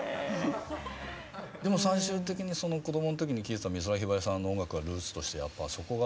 でも最終的に子供の時に聴いてた美空ひばりさんの音楽がルーツとしてやっぱそこが。